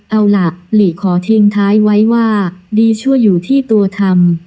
เอาล่ะหลีขอทิ้งท้ายไว้ว่าดีชั่วอยู่ที่ตัวทำ